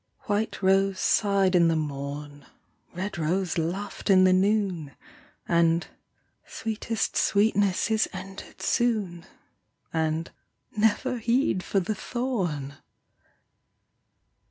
White rose sighed in the morn, Red rose laughed in the noon, And " Sweetest sweetness is ended soon," And " Never heed for the thorn."